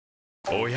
おや？